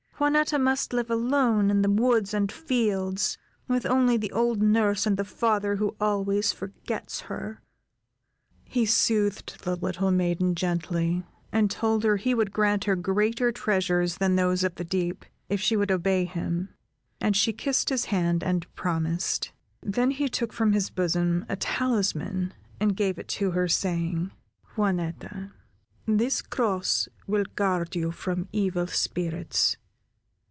Juanetta must live alone, in the woods and fields, with only the old nurse and the father who always forgets her." He soothed the little maiden gently, and told her he would grant her greater treasures than those of the deep, if she would obey him; and she kissed his hand and promised. Then he took from his bosom, a talisman, and gave it to her, saying: "Juanetta, this cross will guard you from evil spirits.